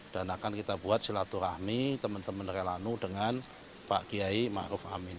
dan akan kita buat silaturahmi teman teman relawan nusantara dengan pak kiai ma'ruf amin